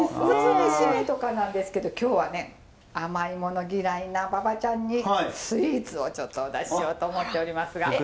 普通ね〆とかなんですけど今日はね甘いもの嫌いな馬場ちゃんにスイーツをちょっとお出ししようと思っておりますが。